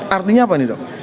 artinya apa nih dok